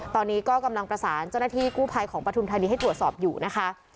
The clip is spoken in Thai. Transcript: ตอนนี้ก็กำลังประสานเจ้าหน้าที่กู้ภัยของปฐุมธานีให้ตรวจสอบอยู่นะคะ